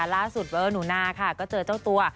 แล้วล่าสุดหนุนาค่ะก็เจอเจ้าตัว